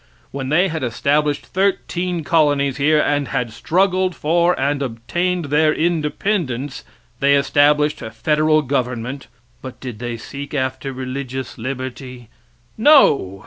When they had established thirteen colonies here, and had struggled for and obtained their independence, they established federal government, but did they seek after religious liberty? No!